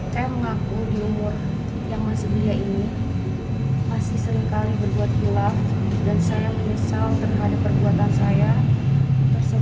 saya mengaku di umur yang masih belia ini masih seringkali berbuat pulang dan saya menyesal terhadap perbuatan saya tersebut